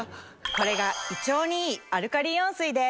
これが胃腸にいいアルカリイオン水です。